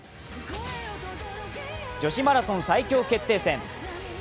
女子マラソン最強決定戦。